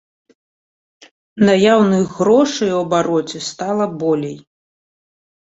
Наяўных грошай у абароце стала болей.